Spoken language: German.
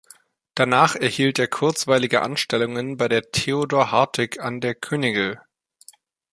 Danach erhielt er kurzweilige Anstellungen bei Theodor Hartig an der Königl.